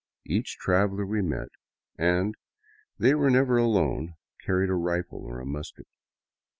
Each traveler we met — and they were never alone — carried a rifle or a musket.